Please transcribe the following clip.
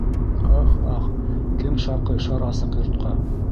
Аһ-аһ, кем шаҡый шар асыҡ йортҡа?